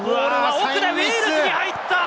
ウェールズに入った！